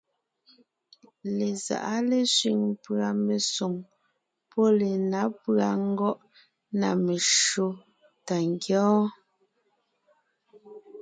Lezáʼa lésẅiŋ pʉ̀a mesoŋ pɔ́ lenǎ pʉ̀a ngɔ́ʼ na meshÿó tà ńgyɔ́ɔn.